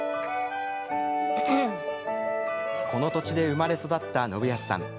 この土地で生まれ育った信康さん。